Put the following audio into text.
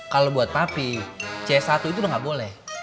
kalau buat papi c satu itu udah nggak boleh